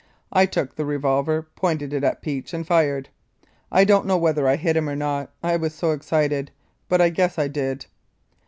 I took the revolver, pointed it at Peach, and fired. I don't know whether I hit him or not, I was so excited but I guess I did.